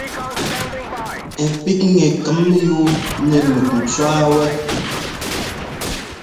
Ɛ píkŋɛ kɛm yú nɛ́ luk ńtwá wɛ́.